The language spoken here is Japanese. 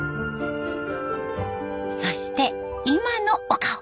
そして今のお顔。